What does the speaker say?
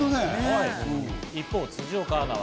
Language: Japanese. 一方、辻岡アナは。